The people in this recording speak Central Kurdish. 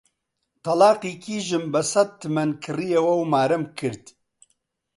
تەڵاقی کیژم بە سەد تمەن کڕیەوە و مارەم کرد